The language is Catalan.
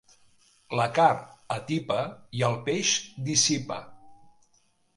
La carn atipa i el peix dissipa.